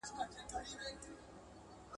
د رنګینو کلماتو تر اغېز لاندي راغلي وي `